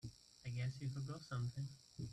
I guess you forgot something.